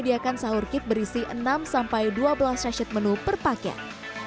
bahkan sahur kit berisi enam dua belas sachet menu per paket